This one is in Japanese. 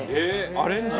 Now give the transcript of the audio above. アレンジも？